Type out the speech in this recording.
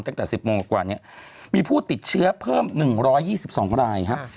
ตั้งแต่๑๐โมงกว่านี้มีผู้ติดเชื้อเพิ่ม๑๒๒รายครับ